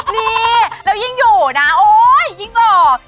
นี่แล้วยิ่งอยู่นะโอ๊ยยิ่งหล่อ